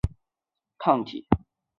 帕妥珠单抗是一种单克隆抗体。